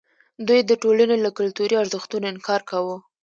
دوی د ټولنې له کلتوري ارزښتونو انکار کاوه.